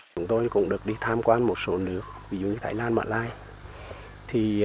chúng tôi cũng được đi tham quan một số nước ví dụ như thái lan mạ lai